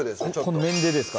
この面でですか？